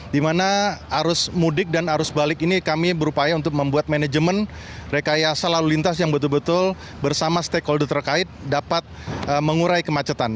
di mana arus mudik dan arus balik ini kami berupaya untuk membuat manajemen rekayasa lalu lintas yang betul betul bersama stakeholder terkait dapat mengurai kemacetan